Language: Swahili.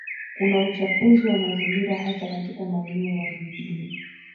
Kuna uchafuzi wa mazingira hasa katika maeneo ya mijini